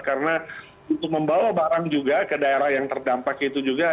karena untuk membawa barang juga ke daerah yang terdampak itu juga